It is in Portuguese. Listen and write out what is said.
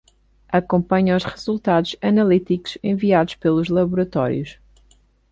Acompanha os resultados analíticos enviados pelos laboratórios.